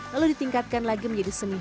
lalu ditingkatkan lagi menjadi seni